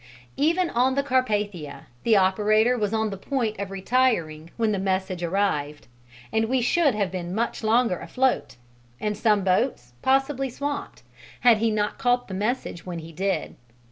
Even on the Carpathia, the operator was on the point of retiring when the message arrived, and we should have been much longer afloat and some boats possibly swamped had he not caught the message when he did.